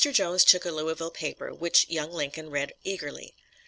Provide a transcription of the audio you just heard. Jones took a Louisville paper, which young Lincoln read eagerly.